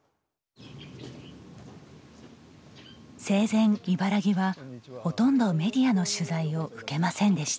生前茨木はほとんどメディアの取材を受けませんでした。